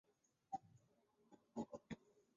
野雉尾金粉蕨为中国蕨科金粉蕨属下的一个种。